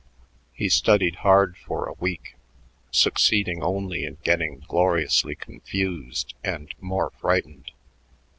He studied hard for a week, succeeding only in getting gloriously confused and more frightened.